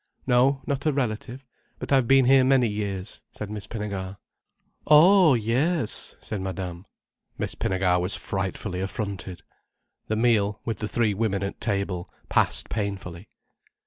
"No, not a relative. But I've been here many years," said Miss Pinnegar. "Oh, yes!" said Madame. Miss Pinnegar was frightfully affronted. The meal, with the three women at table, passed painfully.